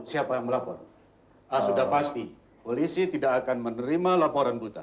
siapa yang melapor sudah pasti polisi tidak akan menerima laporan buta